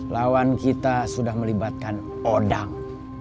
lawan kita sudah melibatkan odang